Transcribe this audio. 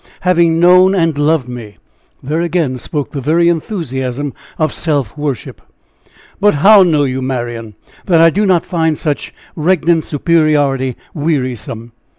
'having known and loved me!' There again spoke the very enthusiasm of self worship! But how know you, Marian, that I do not find such regnant superiority wearisome?